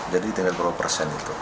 jadi tinggal berapa persen itu